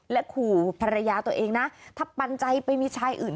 ขู่ภรรยาตัวเองนะถ้าปันใจไปมีชายอื่น